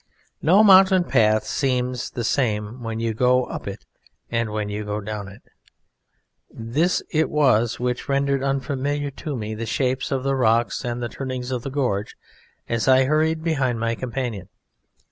No mountain path seems the same when you go up it and when you go down it. This it was which rendered unfamiliar to me the shapes of the rocks and the turnings of the gorge as I hurried, behind my companion.